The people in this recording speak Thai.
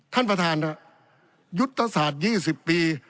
ท่านประธานยุตสาธิ์๒๐ปี